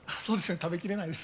食べきれないです。